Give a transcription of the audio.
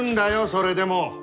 それでも！